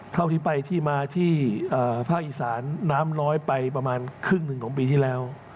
เท่าที่ไปที่มาที่ภาคอีสานน้ำน้อยไปประมาณครึ่งหนึ่งของปีที่แล้ว